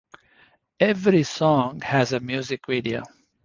Every song has a music video.